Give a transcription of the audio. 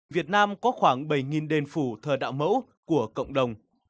việt nam có khoảng bảy đền phủ thờ đạo mẫu của cộng đồng